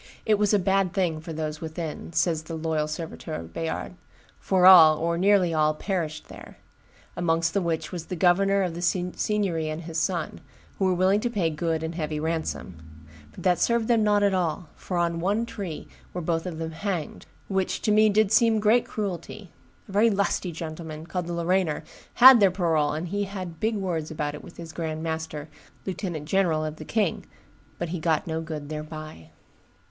"It was a bad thing for those within," says the Loyal Serviteur of Bayard; "for all, or nearly all, perished there; amongst the which was the governor of the Signory and his son, who were willing to pay good and heavy ransom; but that served them not at all, for on one tree were both of them hanged, which to me did seem great cruelty; a very lusty gentleman, called the Lorrainer, had their parole, and he had big words about it with the grand master, lieutenant general of the king; but he got no good thereby."